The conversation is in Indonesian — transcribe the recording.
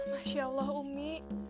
masya allah umi